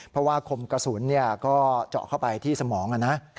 เพราะว่าคมกระสุนก็เจาะเข้าไปที่สมองนะ